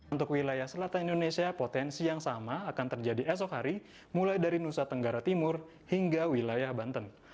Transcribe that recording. untuk wilayah selatan indonesia potensi yang sama akan terjadi esok hari mulai dari nusa tenggara timur hingga wilayah banten